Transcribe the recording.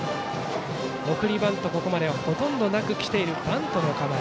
送りバント、ここまではほとんどなくきている愛工大名電。